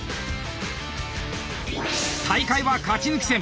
大会は勝ち抜き戦。